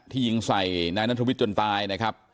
ยิงใส่นายนัทวิทย์จนตายนะครับ